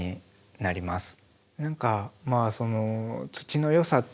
何かまあその土のよさって